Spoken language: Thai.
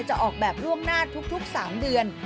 จะออกแบบล่วงหน้าทุก๓เดือน